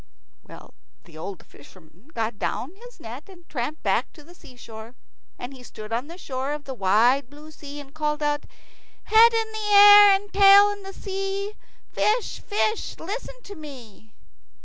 Well, the poor old fisherman got down his net, and tramped back to the seashore. And he stood on the shore of the wide blue sea, and he called out, "Head in air and tail in sea, Fish, fish, listen to me."